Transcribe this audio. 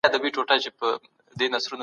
تاسو د نوموړي حق په اړه څه فکر کوئ؟